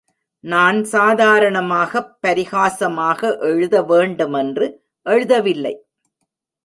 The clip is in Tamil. நான் சாதாரணமாகப் பரிஹாசமாக எழுத வேண்டுமென்று எழுதவில்லை.